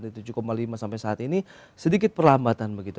dari tujuh lima sampai saat ini sedikit perlambatan begitu